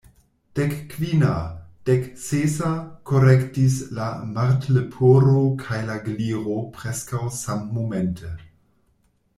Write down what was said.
"Dekkvina," "Deksesa," korektis la Martleporo kaj la Gliro, preskaŭ sammomente.